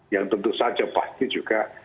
yang tentu saja pasti juga